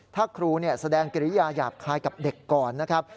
ถ้าครูแสดงกิริยาหยาบคายกับเด็กก่อนนะครับ